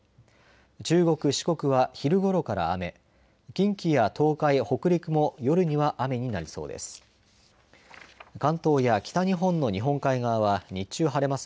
中国、四国は昼ごろから雨近畿や東海、北陸も夜には雨になりそうです。